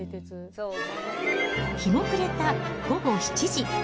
日も暮れた午後７時。